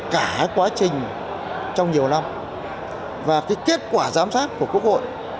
cả quá trình trong nhiều năm và cái kết quả giám sát của quốc hội